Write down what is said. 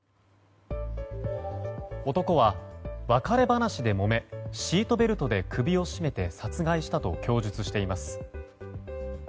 男は別れ話でもめシートベルトで首を絞めて殺害したと供述しています。